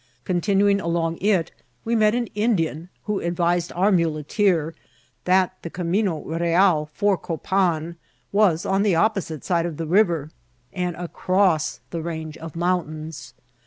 Continuing along it, we met an Indian, who advised our muleteer that the camino real for Copan was on the opposite side of the river, and across the range of mountains.